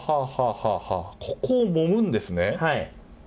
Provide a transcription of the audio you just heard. ここを、もむんですね。